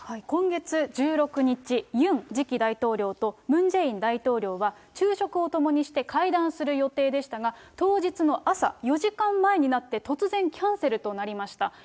今月１６日、ユン次期大統領とムン・ジェイン大統領は、昼食を共にして会談する予定でしたが、当日の朝、４時間前になって突然キャンセルとなりました。